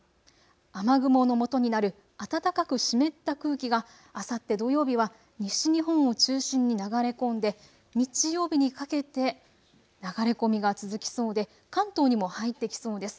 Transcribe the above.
雨雲のもとになる暖かく湿った空気があさって土曜日は西日本を中心に流れ込んで日曜日にかけて流れ込みが続きそうで関東にも入ってきそうです。